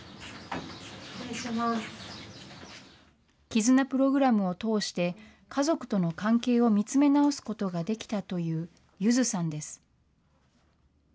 絆プログラムを通して、家族との関係を見つめ直すことができたという、ゆずさんです。